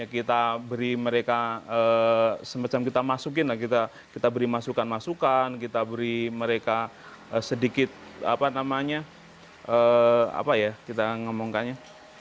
kita beri mereka semacam kita masukin lah kita beri masukan masukan kita beri mereka sedikit apa namanya apa ya kita ngomongkannya